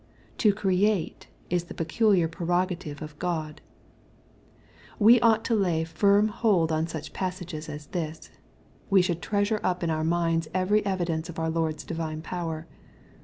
To create is the peculiar prerogative of God. We ought to lay firm hold on such passages as this. We should treasure up in our minds every evidence of our Lord's divine power.